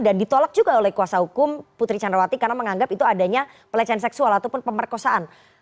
dan ditolak juga oleh kuasa hukum putri candrawati karena menganggap itu adanya pelecehan seksual ataupun pemerkosaan